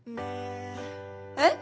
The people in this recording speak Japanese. えっ？